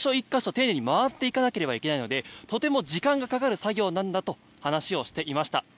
丁寧に回っていかなければいけないのでとても時間がかかる作業なんだと話をしていました。